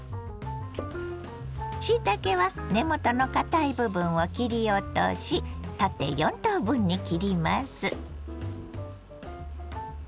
しいたけは根元の堅い部分を切り落とし縦４等分に切ります。